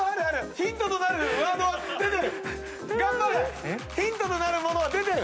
ヒントとなるものは出てる！